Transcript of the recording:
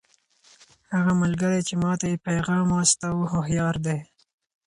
هغه ملګری چې ما ته یې پیغام واستاوه هوښیار دی.